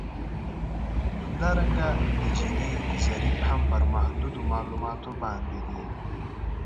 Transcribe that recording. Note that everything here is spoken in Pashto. همدارنګه د جیني ضریب هم پر محدودو معلوماتو باندې دی